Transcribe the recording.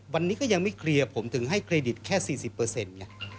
วันนี้ก็ยังไม่เคลียร์ผมถึงให้เครดิตแค่๔๐ไง